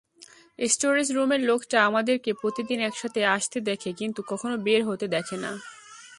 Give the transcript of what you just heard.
Storage রুমের লোকটা আমাদেরকে প্রতিদিন একসাথে আসতে দেখে কিন্তু কখনও বের হতে দেখে না।